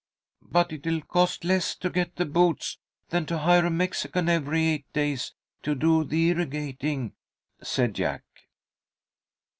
"But it'll cost less to get the boots than to hire a Mexican every eight days to do the irrigating," said Jack.